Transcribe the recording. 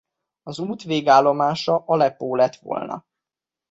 Az út végállomása Aleppó lett volna.